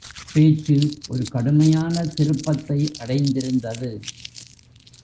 பேச்சு ஒரு கடுமையான திருப்பத்தை அடைந்திருந்தது.